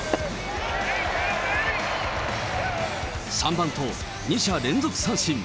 ３番と、２者連続三振。